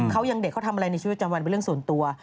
เขายังเด็กเขาทำอะไรในชีวิตจำวันเป็นเรื่องส่วนตัว